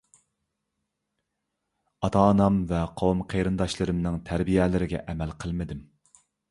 ئاتا - ئانام ۋە قوۋم - قېرىنداشلىرىمنىڭ تەربىيەلىرىگە ئەمەل قىلمىدىم.